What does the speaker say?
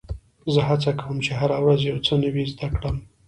زه هڅه کوم، چي هره ورځ یو څه نوی زده کړم.